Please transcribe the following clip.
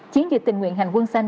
chiến dịch tình nguyện hành quân xanh